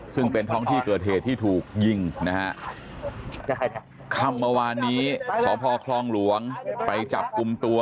ซึ่งเป็นท้องที่เกิดเหตุที่ถูกยิงนะฮะค่ำเมื่อวานนี้สพคลองหลวงไปจับกลุ่มตัว